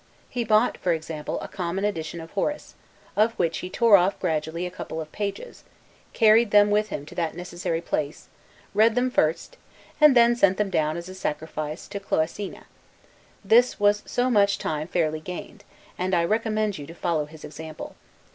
He bought, for example, a common edition of Horace, of which he tore off gradually a couple of pages, carried them with him to that necessary place, read them first, and then sent them down as a sacrifice to Cloacina: this was so much time fairly gained; and I recommend you to follow his example.